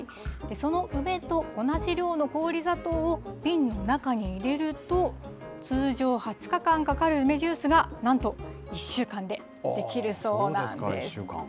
その梅と同じ量の氷砂糖を瓶の中に入れると、通常、２０日間かかる梅ジュースが、なんと１週間で出来るそうなんです。